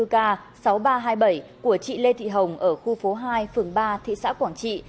hai mươi k sáu nghìn ba trăm hai mươi bảy của chị lê thị hồng ở khu phố hai phường ba thị xã quảng trị